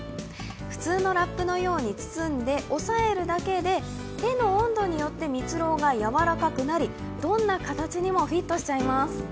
普通のラップのように包んで押さえるだけで手の温度によって蜜ろうがやわらかくなりどんな形にもフィットしちゃいます。